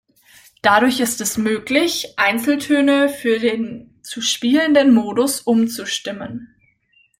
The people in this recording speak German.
Dadurch ist es möglich, Einzeltöne für den zu spielenden Modus umzustimmen.